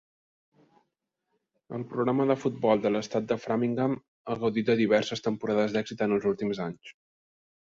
El programa de futbol de l'estat de Framingham ha gaudit de diverses temporades d'èxit en els últims anys.